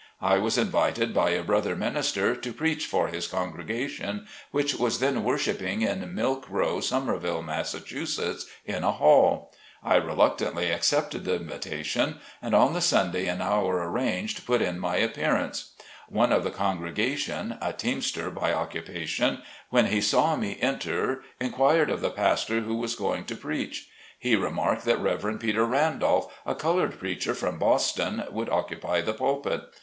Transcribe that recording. I was invited by a brother minister to preach for his congregation, which was then worshiping in Milk Row, Somerville, Mass., in a hall. I reluctantly accepted the invita tion, and on the Sunday and hour arranged put in my appearance. One of the congregation, a teamster by occupation, 46 SLAVE CABIN TO PULPIT. when he saw me enter inquired of the pastor who was going to preach. He remarked that Rev. Peter Randolph, a colored preacher from Boston, would occupy the pulpit.